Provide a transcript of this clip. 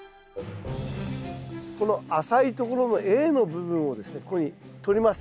この浅いところのＡの部分をですねこういうふうに取ります。